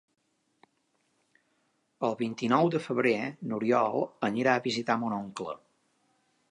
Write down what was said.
El vint-i-nou de febrer n'Oriol anirà a visitar mon oncle.